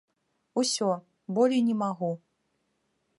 Усё, болей не магу.